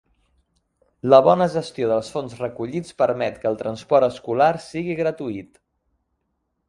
La bona gestió dels fons recollits permet que el transport escolar sigui gratuït.